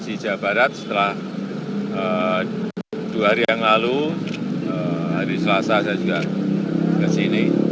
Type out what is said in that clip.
di jawa barat setelah dua hari yang lalu hari selasa saya juga ke sini